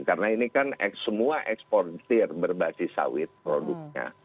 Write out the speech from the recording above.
karena ini kan semua eksportir berbasis sawit produknya